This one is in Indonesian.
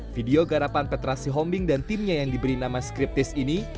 video garapan petrasi hombing dan timnya yang diberi nama scriptis ini